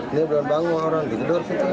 ini belum bangun orang tidur gitu